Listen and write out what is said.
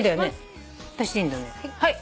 はい。